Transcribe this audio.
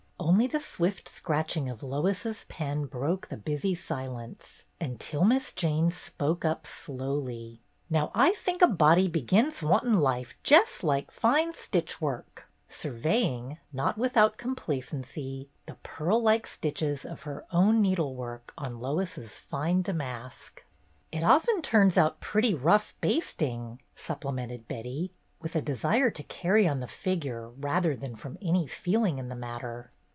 Only the swift scratching of Lois's pen broke the busy silence, until Miss Jane spoke up slowly : "Now I think a body begins wantin' life jes' like fine stitch work," surveying, not with 2o8 BETTY BAIRD'S GOLDEN YEAR out complacency, the pearl like stitches of her own needlework on Lois's fine damask. "It often turns out pretty rough basting," supplemented Betty, with a desire to carry on the figure rather than from any feeling in the matter.